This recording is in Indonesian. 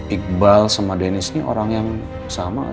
iqbal sama deniz ini orang yang sama